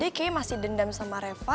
ini kayaknya masih dendam sama reva